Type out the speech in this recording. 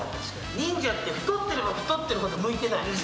忍者って太ってれば太ってるほど向いてない。